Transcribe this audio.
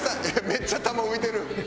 めっちゃ球浮いてる。